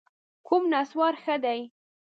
کوم نسوار ښه دي؟